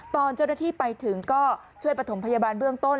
ตอนเจ้าหน้าที่ไปถึงก็ช่วยประถมพยาบาลเบื้องต้น